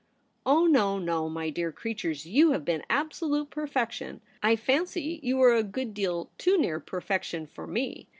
' Oh no, no, my dear creatures, you have been absolute perfection. I fancy you are a good deal too near perfection for me.